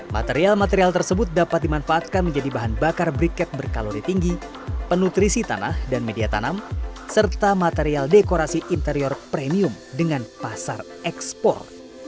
material material tersebut dapat dimanfaatkan menjadi bahan bakar briket berkalori tinggi penuh terisi tanah dan media tanam serta material dekorasi interior premium dengan pasar ekspor